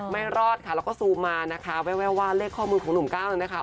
ไม่รอดค่ะแล้วก็ซูมมานะคะแววว่าเลขข้อมือของหนุ่มก้าวนั้นนะคะ